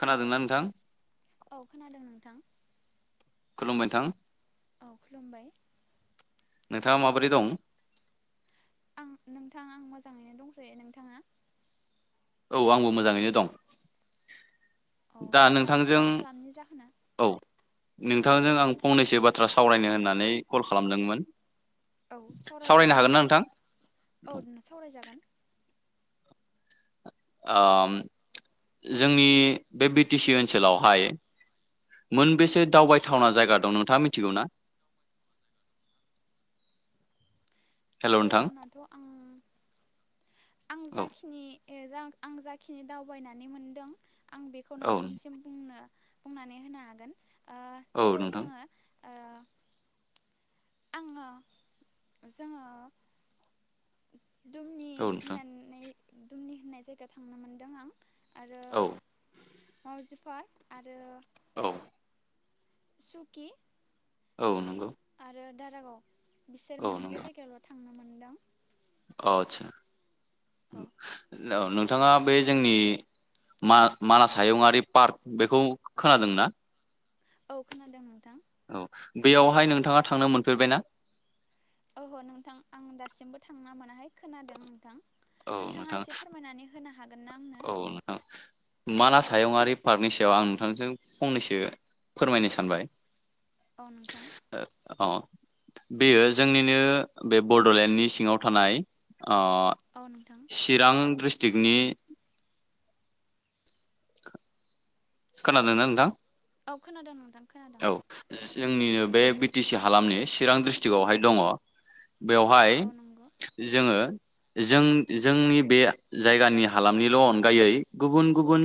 खोनादोंना नोंथां औ खोनादों नोंथां खुलुमबाय नोंथां औ खुलुमबाय नोंथाङा माबोरै दं आं नोंथां आं मोजाङैनो दंख'यो नोंथाङा औ आंबो मोजाङैनो दं औ दा नोंथांनि नोंथांजों कल खालामनि जाहोना औ औ नोंथांजों आं फंनैसो बाथ्रा बाथ्रा सावरायनो होननानै कल खालामदोंमोन औ सावरायनो सावरायजायो हागोन ना नोंथां औ नों सावरायजागोन जोंनि बे बि टि सि ओनसोलावहाय मोनबेसे दावबायथावना जायगा दं नोंथाङा मिथिगौ ना हेल' नोंथां दावबायथावनाथ' आं आं औ जाखिनि जा आं जाखिनि दावबायनानै मोनदों आं बेखौ औ नोंथांनिसिम बुंनो बुंनानै होनो हागोन औ जेरै नोंथां जोङो आङो जोङो दुमनि औ नोंथां होननानै दुमनि होननाय जायगायाव थांनो मोनदों आं आरो औ माउजि पार्क आरो औ सुकि औ नोंगौ आरो दारागाव बिसोर मोनब्रै जायगायावल' थां थांनो मोनदां। अ आतसा। [unintelligible] थाङा बै जोंनि मा मानास हायुंआरि पार्क बेखौ खोनादोंना? औ खोनादों नोंथां। बैयावहाय नोंथाङा थांनो मोनफेरबाय ना? ओहो नोंथां आं दासिमबो थांना मोनाहाय खोनादों नोंथां। औ नोंथाङा नोंथां एसे फोरमायनानै होना हागोन ना? आंनो औ नोंथां मानास हायुंआरारि पार्कनि सायाव आं नोंथांजों फंनैसो फोरमायनो सानबाय। अ नोंथां। अ बेयो जोंनिनो बे बड'लेण्डनि सिङाव थानाय अ औ नोंथां चिरां ड्रिस थागनि खोना दोंना नोंथां? औ खोनादों नोंथां। खोनादों औ ज जोंनिनो बे बि टि सि हालामनि चिरां डिस्ट्रिक्टआवहाय दङ। बेवहाय औ नंगौ जोङो जों जोंनि बे जायगानि हालामनिल' अनगायै गुबुन गुबुन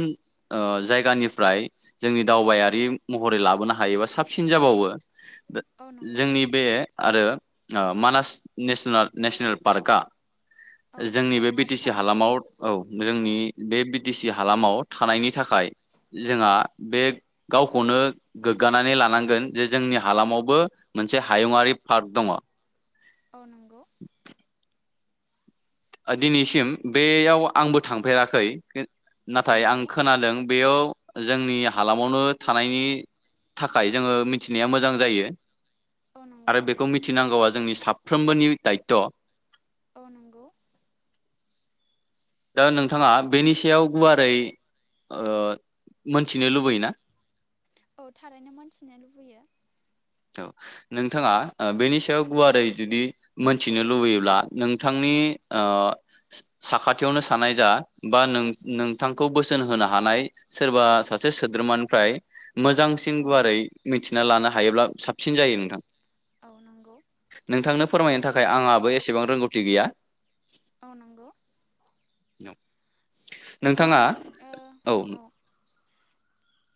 ओ जायगानिफ्राय जोंनि दावबायारि महरै लाबोना हायोबा साबसिन जाबावो दा औ नंगौ जोंनि बे आरो आ मानास नेसना नेसनेल पार्का औ जोंनि बे बि हायुङारि टि सि पार्क हालामाव औ औ जोंनि बे बि दि सि हालामाव थानायनि थाखाय जोंहा बे गावखौनो गोग्गानानै लानांगोन जे जोंनि हालामावबो मोनसे हायुङरारि पार्क दङ। अ नंगौ। ओ दिनैसिम बेयाव आंबो थांफेराखै खिन औ नाथाय आं नंगौ खोनादों बेयाव औ जोंनि हालामावनो थानायनि थाखाय जोङो मिनथिनाया मोजां जायो। औ आरो नंगौ बेखौ मिथि नांगौआ जोंनि साफ्रोमबोनि दायथ'। औ नंग' दा नोंथाङा बेनि सायाव गुवारै ओ मोनथिनो लुबैयोना? औ थारैनो मोनथिनो लुबैयो। औ नोंथाङा ओ बेनि सायाव गुवारै जुदि मोनथिनो लुबैयोब्ला नों थांनि औ ओ साखाथियावनो सानाय जा बा नों नोंथांखौ बोसोन होनो हानाय सोरबा सासे सोद्रोमानिफ्राय मोजांसिन औ गुवारै नंगौ मिथिना लानो हा हायोब्ला साबसिन जायो नोंथां। औ नंगौ नोंथांनो ओ फोरमायनो थाखाय आंहाबो एसेबां रोंगौ थि गैया अ नंगौ। नोंथां नोंथाङा ओ औ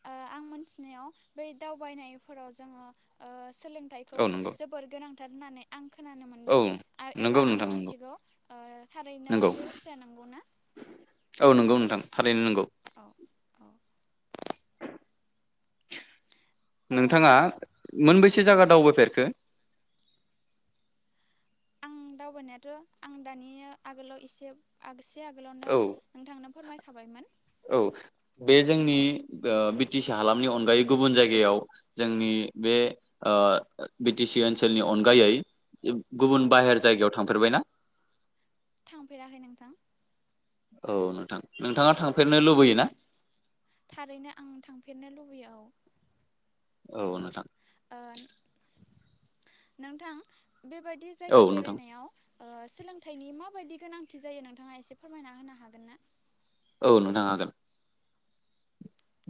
ओ आं मोनथिनायाव बै दावबायनायफोराव जोङो ओ सोलोंथाइखौ औ नंगौ जोबोर गोनां। थार होन्नानै आं। खोनानो औ मोनदों आर नंगौ एबा आं नोंथां नंगौ मोनथिगौ ओ थारैनो नंगौ बे बाथ्राया नोंगौ ना। औ नोंगौ नोंथां थारैनो नोंगौ। नोंथाङा ओ मोनबेसे जायगा नों दावबायफेरखो। आं दावबायनायाथ' आं दानि आगोलाव एसे आगस औ औ बे जोंनि औ बो बि टि सि हालामनि अनगायै गुबुन जायगायाव जोंनि बे ओ बि टि सि ओनसोलनि अनगायै गुबुन बाहेर जायगायाव थांफेरबाय ना? थांफेराखै नोंथां। औ नोंथां नोंथाङा थांफेरनो लुबैयो ना? थारैनो आं थांफेरनो लुबै औ। औ नों ओ नोंथां। बेबायदि औ जायगा नोंथां बेरायनायाव ओ सोलोंथाइनि माबायदि गोनांथि जायो नोंथाङा एसे फोरमायना होनो हागोन ना? औ नोंथां हागोन।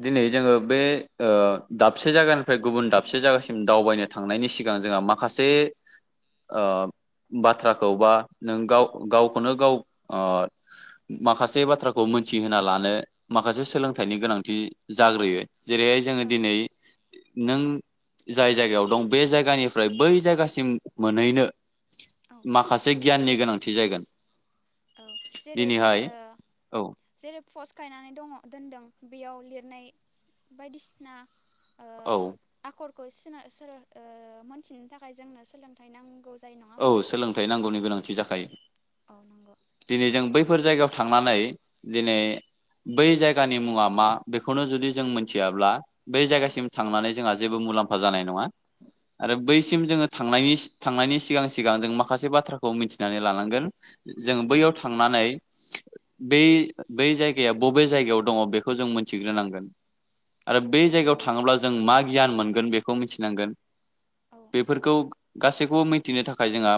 दिनै जोङो बे ओ दाबसे जायगानिफ्राय गुबुन दाबसे जायगासिम दावबायनो थांनायनि सिगां जोंहा माखासे ओ बाथ्राखौ बा नों गाव गावखौनो गाव ओ माखासे बाथ्राखौ मोनथिहोना लानो माखासे सोलोंथाइनि गोनां। दि जाग्रोयो। जेरैहाय जोङो दिनै नों जाय जायगायाव दं बे जायगानिफ्राय बै जायगासिम मोनहैनो औ माखासे गियाननि गोनांथि जागोन। औ जेरै दिनैहाय ओ औ जेरै फस गायनानै दङ दोनदों बेयाव लिरनाय बायदिसिना औ। सखरखौ सिना सोर ओ मोनथिनो थाखाय जोंनो सोलोंथाइ नां औ सोलोंथाइ नांगौनि गोनांथि जाखायो आ नंगौ दिनै जों बैफोर जायगायाव थांनानै दिनै बै जायगानि मुङा मा बेखौनो जुदि जों मोनथियाब्ला बै औ जायगासिम थांनानै जोंहा जेबो मुलामफा जानाय नङा आरो औ बैसिम जोङो थांनायनि थांनायनि सिगां सिगां जों माखासे बाथ्राखौ मिथिनानै लानांगोन जों औ बैयाव थांनानै बै बै जायगाया बबे जायगायाव दङ बेखौ जों मोनथिग्रोनांगोन आरो बे औ जायगायाव नंगौ थाङोब्ला जों मा गियान मोन गोन बेखौ मिथिनांगोन औ बेफोरखौ गासैखौबो मिथिनो थाखाय जोंहा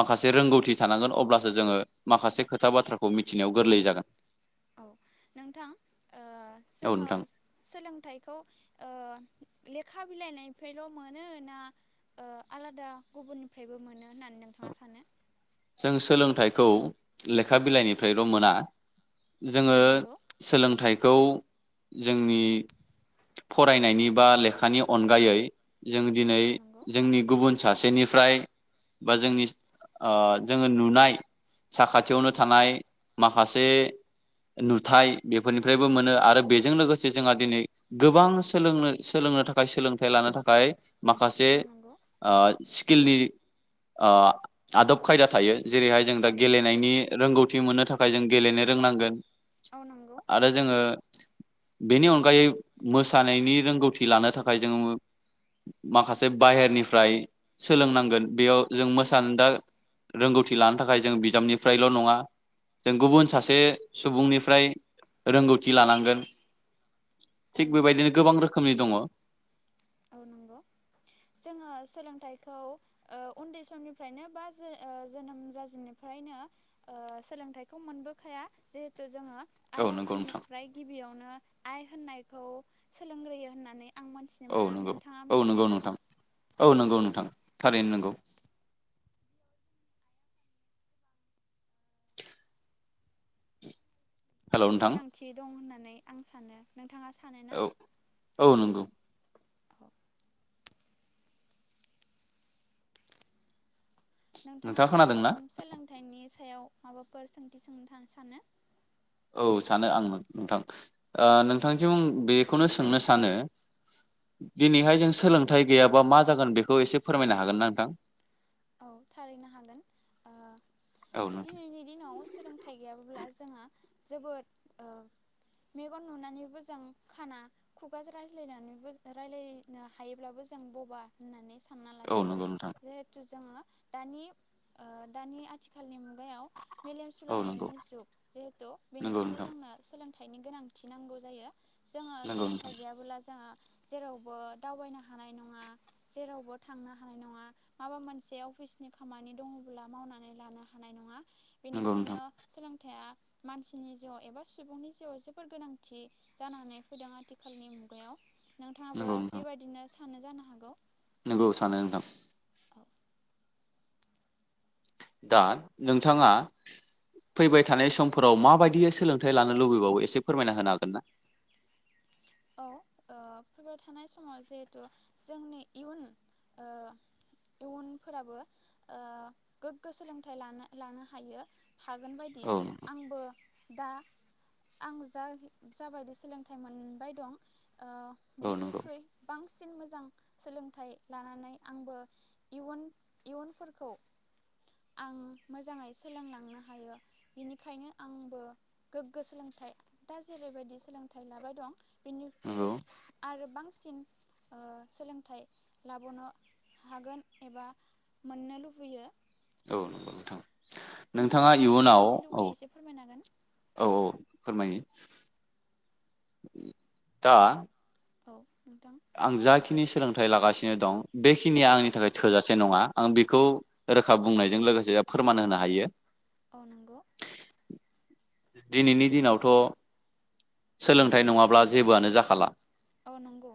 माखासे रोंगौथि थानांगोन अब्लासो जोङो माखासे खोथा बाथ्राखौ मिथिनायाव गोरलै जागोन औ नोंथां ओ औ जोङो नोंथां सोलोंथाइखौ ओ लेखा बिलाइनिफ्रायल' मोनो ना ओ आलादा गुबुननिफ्रायबो मोनो होननानै नोंथाङा सानो थाइखौ लेखा बिलाइनिफ्रायल' मोना औ जोङो नंगौ सोलोंथाइ खौ जोंनि फरायनायनि बा लेखानि अनगायै जों दिनै औ नंगौ जोंनि गुबुन सासेनिफ्राय बा जोंनि ओ जोङो नुनाय साखाथियावनो औ थानाय माखासे नुथाय बेफोरनिफ्रायबो मोनो आरो बेजों लोगोसे जोंहा दिनै गोबां सोलोंनो सोलोंनो थाखाय सोलोंथाइ लानो थाखाय माखासे औ नंगौ आ स्किलनि ओ आदब खायदा थायो जेरैहाय जों दा औ नंगौ गेलेनायनि रोंगौ फुरि मोननो थाखाय जों गेलेनो रोंनांगोन औ नंगौ आरो जोङो बेनि अनगायै मोसानायनि रोंगौथि लानो थाखाय जोङ माखासे बाहेरनिफ्राय औ सोलोंनांगोन बेयाव जों औ मोसा नंगौ रोंगौथि लानो थाखाय जों बिजाबनिफ्रायल' नङा जों औ गुबुन सासे नंगौ सुबुंनि फ्राय रोंगौथि लानांगोन औ थिग नंगौ बेबायदिनो गोबां रोखोमनि दङ जोङो सोलोंथाइखौ ओ उन्दै समनिफ्रायनो बा ओ जोनोम जाजेननायनिफ्रायनो ओ सोलोंथाइखौ मोनबोखाया जिहेथु जोङो आइ नंगौ नोंथां आफानिफ्राय गिबियावनो आइ होननायखौ सोलोंग्रोयो होननानै आं मोनथिनो औ मोनो नंगौ नोंथाङा औ मिथिगौ नंगौ ना? नोंथां औ नंगौ नोंथां थारैनो नोंगौ हेलौ नोंथां गोनांथि दं होननानै आं सानो नोंथाङा सानो ना औ औ नंगौ नोंथाङा आंनिसिम सोलोंथाइनि सायाव माबाफोर सोंथि सोंनो सानो औ सानो आं नोंथां ओ नोंथांजों बेखौनो सोंनो सानो दिनैहाय जों सोलोंथाइ गैयाबा मा जागोन बेखौ एसे फोरमायनो हागोन ना नोंथां औ थारैनो हागोन ओ औ नोंथां दिनैनि दिनाव सोलोंथाइ गैयाब्ला जोंहा जोबोद ओ मेगन नुनानैबो जों खाना खुगाजों रायज्लायनानैबो रायज्लायनो हायोब्लाबो जों बबा होननानै सानो सानना औ लाजायो नंगौ नोंथां जे जोङो दानि ओ दानि आथिखालनि मु गायाव मेलेम औ नंगौ सोलायनायनि जुग जिहेथु नंगौ बेनिखायनो नोंथां जोंना सोलों थाइनि गोनांथि नांगौ जायो जोङो नंगौ नोंथां सोलोंथाइ गैयाबोला जोंहा जेरावबो दावबायनो हानाय नङा जेरावबो थांनो हानाय नङा माबा मोनसे अफिसनि खामानि दङब्ला मावनानै लानो हानाय नङा नंगौ नोंथां बेनिखायनो सोलों थाया मानसिनि जिउआव एबा सुबुंनि जिउआव जोबोर गोनांथि जानानै फैदों आथिखालनि मुगायाव नोंथाङाबो नंगौ नोंथां बेबायदिनो थानो जानो हागौ नंगौ सानो नोंथां दा नोंथाङा फैबाय थानाय समफोराव माबायदि सोलोंथाइ लानो लुबैबावो एसे फोरमायना होनो हागोन ना औ ओ फैबाय थानाय समाव जिहेथु जोंनि इयुन ओ इयुनफोराबो ओ गोग्गो सोलोंथाइ लानो लानो हायो हागोन बायदि औ आंबो दा आं जा जाबायदि सोलोंथाइ मोनबाय दं ओ औ नंगौ बिनिख्रुइ बांसिन मोजां सोलोंथाइ लानानै आंबो इयुन इयुनफोरखौ आं मोजाङै सोलोंलांनो हायो बिनिखायनो आंबो गोग्गो सोलोंथाइ दा जेरैबायदि सोलोंथाइ लाबाय दं नंगौ बिनिख्रुइ आरो बांसिन ओ सोलोंथाइ लाबनो हागोन एबा मोननो लुबैयो औ नोंगौ नोंथां नोंथाङा इयुनाव माबायदि औ लुबैयो एसे फोरमायनो हागोन औ औ फोरमायनि दा औ नोंथां आं जाखि नि सोलोंथाइ लागासिनो दं बेखिनिया औ आंनि नंगौ थाखाय थोजासे नङा आं बिखौ रोखा बुंनायजों लोगोसे फोरमान होनो हायो अ नोंगौ दिनैनि दिनावथ' सोलोंथाइ नङाब्ला जेबोआनो जाखाला औ नंगौ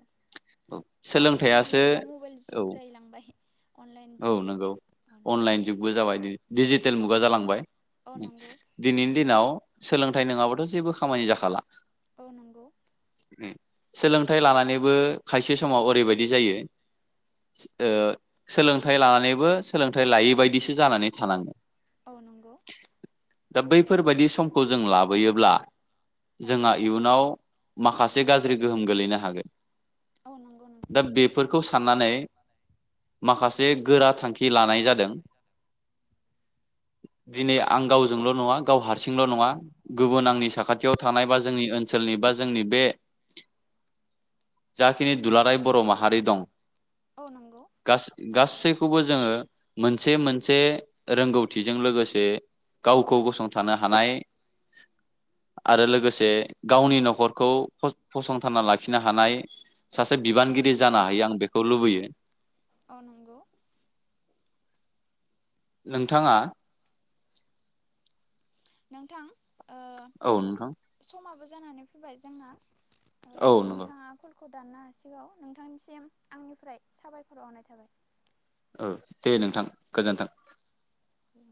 औ सोलोंथाइ आथिखालनि आसो जुगाव मबाइल जुग औ जाहैलांबाय अनलाइन औ जुग नोंगौ औ नंगौ अनलाइन जुगबो जाबाय दि औ डिजिटेल मुगा जालांबाय औ नंगौ दिनैनि दिनाव सोलोंथाइ नोङाबाथ' जेबो खामानि जाखाला औ नंगौ उम सोलोंथाइ लानानैबो खायसे समाव ओरैबायदि जायो ओ सोलोंथाइ लानानैबो सोलोंथाइ लायै बायदिसो जानानै थानाङो औ नंगौ दा बैफोरबादि सम खौ जों लाबोयोब्ला औ जोंहा इयुनाव माखासे गाज्रि गोहोम गोलैनो हागोन औ नंगौ नोंथां दा बेफोरखौ साननानै माखासे गोरा थांखि लानाय जादों दिनै आं गावजोंल' नङा गाव हारसि थानाय बा जोंनि ओनसोलनि बा जोंनि बे जाखिनि दुलाराय बर' माहारि दं औ नंगौ गासैखौबो जोङो मोनसे मोनसे रोंगौथिजों लोगोसे गावखौ गसंथानो हानाय आरो लोगोसे गावनि न'खरखौ फ फसंथानना लाखिनो हानाय सासे औ बिबानगिरि नंगौ जानो नोंथां हायो आं बेखौ लुबैयो औ नंगौ नोंथाङा नोंथां ओ औ नोंथां समाबो जानानै फैबाय जोंना ओ औ नंगौ नोंथाङा कल खौ दाननो हासिगौ नोंथांनिसिम आंनिफ्राय साबायखर हरनाय थाबाय औ दे नोंथां गोजोन्थों उम